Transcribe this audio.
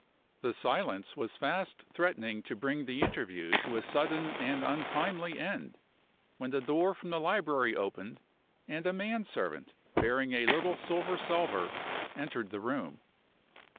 The silence was fast threatening to bring the interview to a sudden and untimely end, when the door from the library opened, and a man servant, bearing a little silver salver, entered the room.